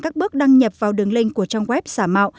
các bước đăng nhập vào đường link của trang web xả mạo